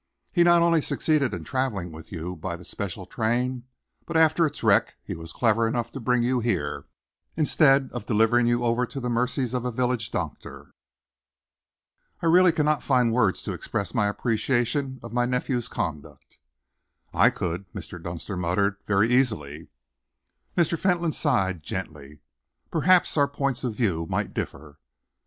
He not only succeeded in travelling with you by the special train, but after its wreck he was clever enough to bring you here, instead of delivering you over to the mercies of a village doctor. I really cannot find words to express my appreciation of my nephew's conduct." "I could," Mr. Dunster muttered, "very easily!" Mr. Fentolin sighed gently. "Perhaps our points of view might differ."